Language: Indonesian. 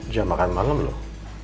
jam makan malam loh